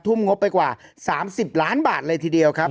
งบไปกว่า๓๐ล้านบาทเลยทีเดียวครับ